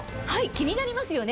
気になりますよね。